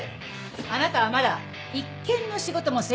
あなたはまだ一件の仕事も成立させてない。